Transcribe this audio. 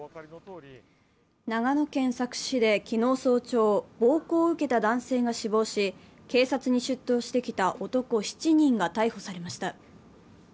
長野県佐久市で昨日早朝、暴行を受けた男性が死亡し、警察に出頭してきた男７人が逮捕されました。